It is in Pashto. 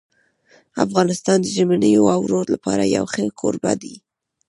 افغانستان د ژمنیو واورو لپاره یو ښه کوربه دی.